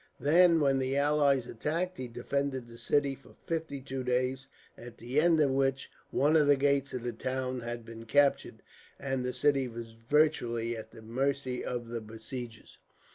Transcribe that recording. Then, when the allies attacked, he defended the city for fifty two days, at the end of which one of the gates of the town had been captured, and the city was virtually at the mercy of the besiegers.